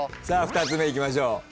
さあ２つ目いきましょう。